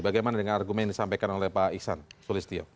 bagaimana dengan argumen yang disampaikan oleh pak iksan sulistyo